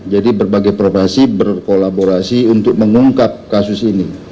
jadi berbagai profesi berkolaborasi untuk mengungkap kasus ini